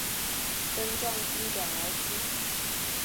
根状茎短而粗。